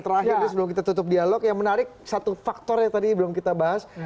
terakhir sebelum kita tutup dialog yang menarik satu faktornya tadi belum kita bahas